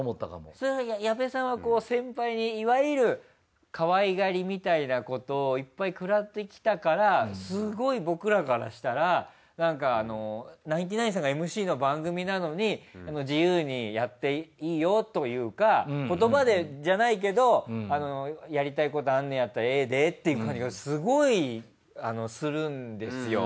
それは矢部さんは先輩にいわゆるかわいがりみたいなことをいっぱい食らってきたからすごい僕らからしたらなんかナインティナインさんがＭＣの番組なのに自由にやっていいよというか言葉でじゃないけどやりたいことあんのやったらええでっていう感じがすごいするんですよ。